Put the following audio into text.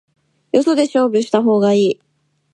よそで勝負した方がいい